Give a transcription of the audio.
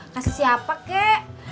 kasih siapa kek